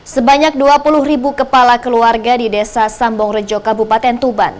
sebanyak dua puluh ribu kepala keluarga di desa sambong rejo kabupaten tuban